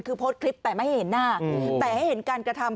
คือโพสต์คลิปแต่ไม่เห็นหน้าแต่ให้เห็นการกระทำ